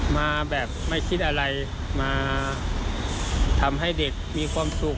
มาแบบไม่คิดอะไรมาทำให้เด็กมีความสุข